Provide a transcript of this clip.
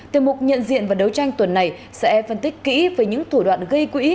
tiềm mục nhận diện và đấu tranh tuần này sẽ phân tích kỹ với những thủ đoạn gây quỹ